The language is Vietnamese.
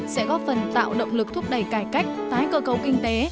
sẽ góp phần tạo động lực thúc đẩy cải cách tái cơ cầu kinh tế